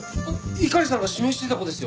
猪狩さんが指名してた子ですよ！